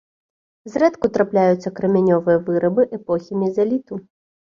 Зрэдку трапляюцца крамянёвыя вырабы эпохі мезаліту.